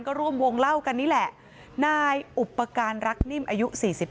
ก็ร่วมวงเล่ากันนี่แหละนายอุปการณ์รักนิ่มอายุ๔๙